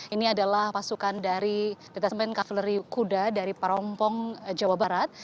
ini adalah pasukan dari detasmen kaveleri kuda dari parompong jawa barat